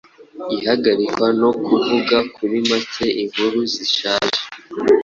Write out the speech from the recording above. ihagarikwa no kuvuga kuri make inkuru zishaje